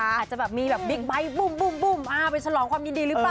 อาจจะแบบมีแบบบิ๊กไบท์บุ้มไปฉลองความยินดีหรือเปล่า